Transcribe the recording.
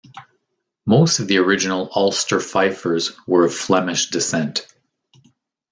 Most of the original Ulster fifers were of Flemish descent.